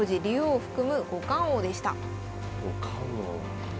五冠王。